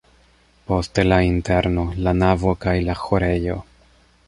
Poste la interno, la navo kaj la ĥorejo.